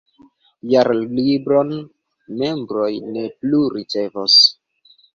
Jarlibron membroj ne plu ricevos.